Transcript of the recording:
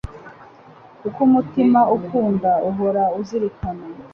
kuko umutima ukunda uhora uzirikana.